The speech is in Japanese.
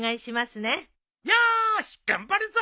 よーし頑張るぞ！